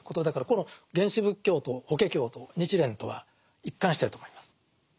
だからこの原始仏教と「法華経」と日蓮とは一貫してると思います。